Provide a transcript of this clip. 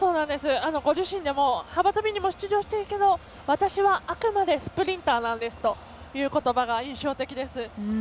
ご自身でも幅跳びにも出場してるけど私はあくまでスプリンターなんですということばが印象的です。